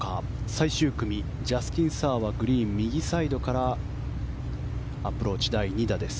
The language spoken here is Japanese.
最終組、ジャスティン・サーはグリーン右サイドからアプローチ第２打です。